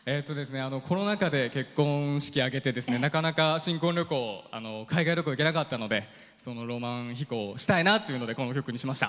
コロナ禍で結婚式挙げてなかなか新婚旅行、海外旅行行けなかったのでロマン飛行したいなということでこの歌にしました。